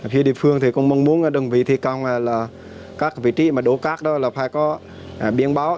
phía địa phương thì cũng mong muốn đơn vị thi công là các vị trí mà đổ cát đó là phải có biển báo